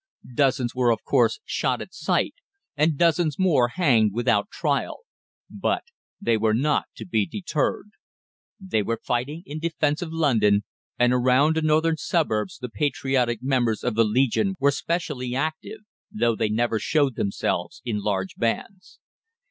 Dozens were, of course, shot at sight, and dozens more hanged without trial. But they were not to be deterred. They were fighting in defence of London, and around the northern suburbs the patriotic members of the "Legion" were specially active, though they never showed themselves in large bands.